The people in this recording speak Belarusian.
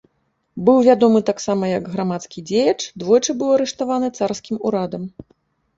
Быў вядомы таксама як грамадскі дзеяч, двойчы быў арыштаваны царскім урадам.